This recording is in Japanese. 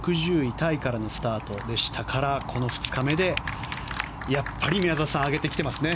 タイからのスタートでしたからこの２日目でやっぱり宮里さん上げてきていますね。